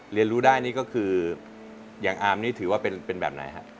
เรียนรู้ได้นี่ก็คืออย่างอาร์มนี่ถือว่าเป็นแบบไหนฮะ